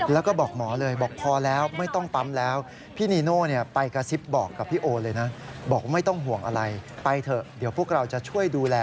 แล้วก็บอกหมอเลยบอกพอแล้วไม่ต้องปั๊มแล้ว